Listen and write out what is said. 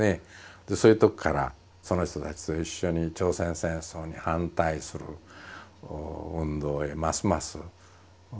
でそういうとこからその人たちと一緒に朝鮮戦争に反対する運動へますますのめり込んでいくと。